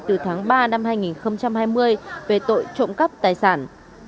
từ tháng ba năm hai nghìn hai mươi về tội trộm cắp tài sản